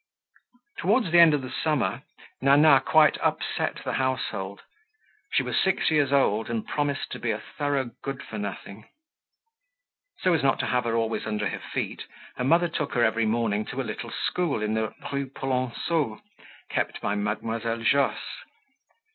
Towards the end of the summer, Nana quite upset the household. She was six years old and promised to be a thorough good for nothing. So as not to have her always under her feet her mother took her every morning to a little school in the Rue Polonceau kept by Mademoiselle Josse.